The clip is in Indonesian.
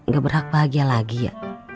gak berhak bahagia lagi ya